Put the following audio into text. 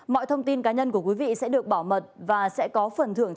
mọi thông tin cá nhân của quý vị sẽ được bảo mật và sẽ có phần thưởng cho